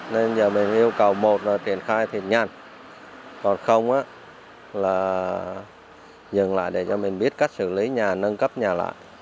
nên giờ mình yêu cầu một là triển khai thì nhanh còn không là dừng lại để cho mình biết cách xử lý nhà nâng cấp nhà lại